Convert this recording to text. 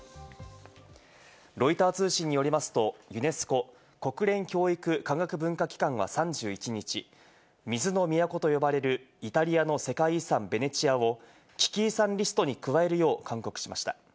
ロイター通信によりますと、ユネスコ＝国連教育科学文化機関は３１日、水の都と呼ばれるイタリアの世界遺産・ベネチアを危機遺産リストに加えるよう勧告しました。